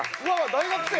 大学生」